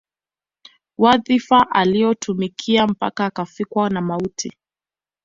Wadhifa alioutumikia mpaka anafikwa na mauti